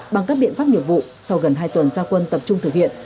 bằng các biện pháp nghiệp vụ sau gần hai tuần gia quân tập trung thực hiện